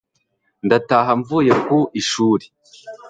ndataha mvuye ku ishuri